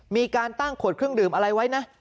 มีการตั้งขวดเครื่องดื่มอะไรไว้นะ